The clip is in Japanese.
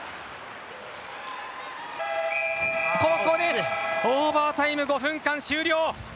ここでオーバータイム５分間終了。